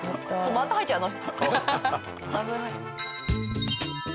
何入っちゃうの？